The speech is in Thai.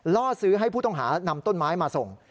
ล่อซื้อให้ผู้ต้องหานำต้นไม้มาส่ง